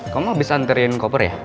kamu abis nganterin koper ya